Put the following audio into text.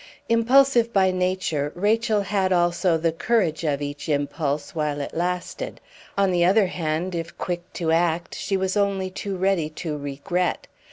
Impulsive by nature, Rachel had also the courage of each impulse while it lasted; on the other hand, if quick to act, she was only too ready to regret.